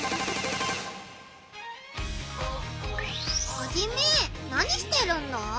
ハジメ何してるんだ？